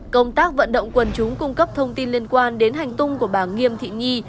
công tác vận động quần chúng cung cấp thông tin liên quan đến hành tung của bà nghiêm thị nhi